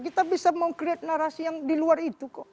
kita bisa membuat narasi yang di luar itu